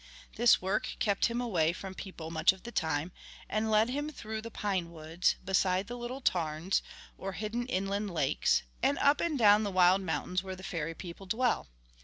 This work kept him away from people much of the time, and led him through the pine woods, beside the little tarns, or hidden inland lakes, and up and down the wild mountains where the fairy people dwell.